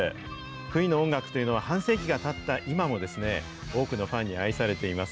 クイーンの音楽というのは、半世紀がたった今も、多くのファンに愛されています。